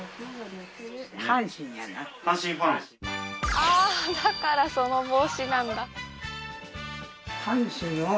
あだからその帽子なんだ。